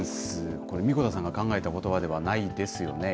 これ、神子田さんが考えたことばではないですよね。